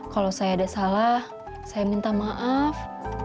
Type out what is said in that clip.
kalau saya ada salah saya minta maaf